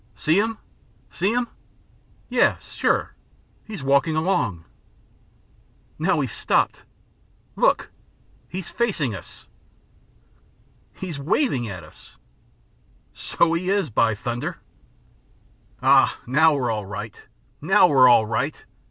See 'im? See 'im?" "Yes, sure! He's walking along." "Now he's stopped. Look! He's facing us!" "He's waving at us!" "So he is! By thunder!" "Ah, now we're all right! Now we're all right!